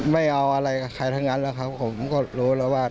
ไม่เอาอะไรกับใครทั้งนั้นแล้วครับผมก็รู้แล้วว่า